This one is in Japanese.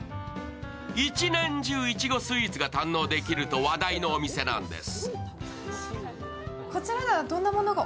一年中、いちごスイーツが堪能できると話題のお店なんです。